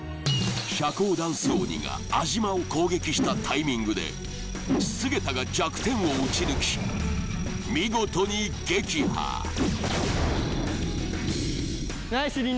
社交ダンス鬼が安嶋を攻撃したタイミングで菅田が弱点を撃ち抜き見事に撃破次！